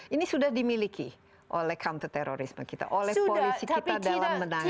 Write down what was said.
ini sudah dimiliki oleh counter terorisme kita oleh polisi kita dalam menangani